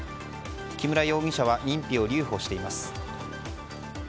木村容疑者は認否を留保しています。